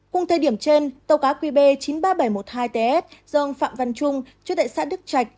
cùng thời điểm trên tàu cá qb chín mươi ba nghìn bảy trăm một mươi hai ts do ông phạm văn trung chú tại xã đức trạch